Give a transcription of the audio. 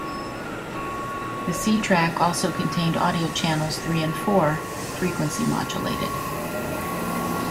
The C track also contained audio channels three and four, frequency modulated.